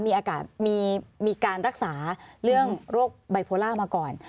มีการรักษาเรื่องโรคไบโพล่ามาก่อน